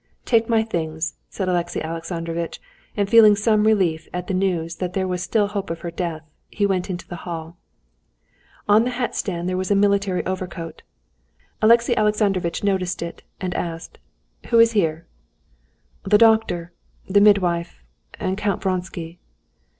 "Take my things," said Alexey Alexandrovitch, and feeling some relief at the news that there was still hope of her death, he went into the hall. On the hatstand there was a military overcoat. Alexey Alexandrovitch noticed it and asked: "Who is here?" "The doctor, the midwife, and Count Vronsky."